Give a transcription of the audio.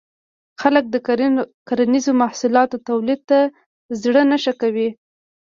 خلک د کرنیزو محصولاتو تولید ته زړه نه ښه کوي.